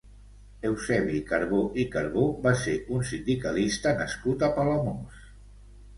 Eusebi Carbó i Carbó va ser un sindicalista nascut a Palamós.